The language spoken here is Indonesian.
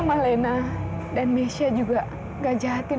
mama lena dan mesya juga nggak jahatin